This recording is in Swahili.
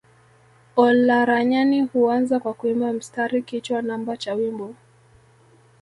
Olaranyani huanza kwa kuimba mstari kichwa namba cha wimbo